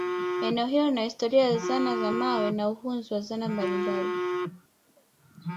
eneo hilo lina historia ya zana za mawe na uhunzi wa zana mbalimbali